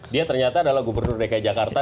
dia ternyata adalah gubernur dki jakarta